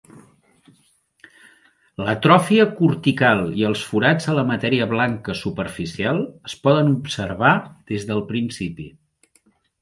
L'atrofia cortical i els forats a la matèria blanca superficial es poden observar des del principi.